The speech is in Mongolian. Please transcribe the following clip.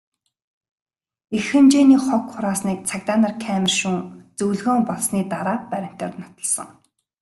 Их хэмжээний хог хураасныг цагдаа нар камер шүүн, зөвлөгөөн болсны дараа баримтаар нотолсон.